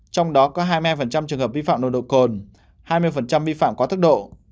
trong đó có hai mươi hai trường hợp vi phạm nồng độ cồn hai mươi vi phạm quá tốc độ